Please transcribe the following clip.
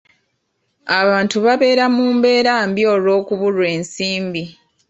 Abantu babeera mu mbeera mbi olw'okubulwa ensimbi.